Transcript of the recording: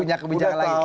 punya kebijaksanaan lagi